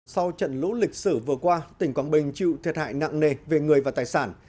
sau trận lũ lịch sử vừa qua tỉnh quảng bình chịu thiệt hại nặng nề về người và tài sản